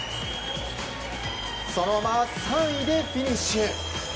そのまま３位でフィニッシュ！